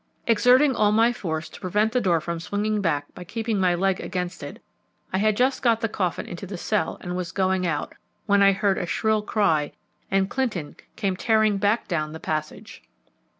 Exerting all my force to prevent the door from swinging back by keeping my leg against it, I had just got the coffin into the cell and was going out, when I heard a shrill cry, and Clinton came tearing back down the passage.